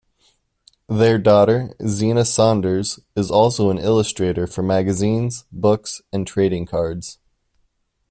Their daughter, Zina Saunders, is also an illustrator for magazines, books and trading cards.